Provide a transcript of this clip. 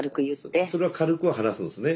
ああそれは軽くは話すんですね